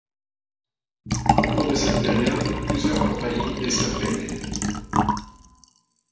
Au cours de cette période, plusieurs compagnies desservaient l'île.